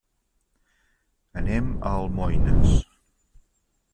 Anem a Almoines.